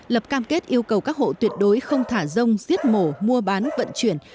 lập cam kết yêu cầu các hộ tuyệt đối không thả rông giết mổ mua bán vận chuyển